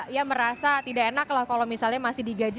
ya merasa tidak enak lah kalau misalnya masih digaji